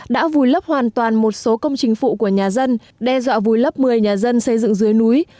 đã vùi lấp hoàn toàn một số công trình phụ của nhà dân đe dọa vùi lấp một mươi nhà dân xây dựng dưới núi